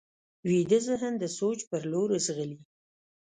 ویده ذهن د سوچ پر لور ځغلي